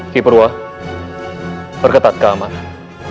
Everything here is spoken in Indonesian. ki perwa berketat keamanan